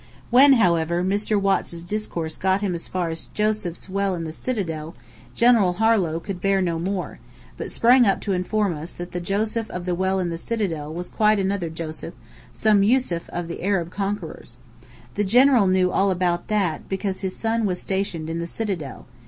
When, however, Mr. Watts' discourse got him as far as Joseph's Well in the Citadel, General Harlow could bear no more, but sprang up to inform us that the Joseph of the Well in the Citadel was quite another Joseph, some Yusef of the Arab conquerors. The general knew all about that, because his son was stationed in the Citadel.